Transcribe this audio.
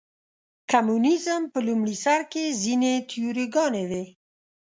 کمونیزم په لومړي سر کې ځینې تیوري ګانې وې.